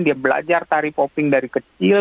dia belajar tari popping dari kecil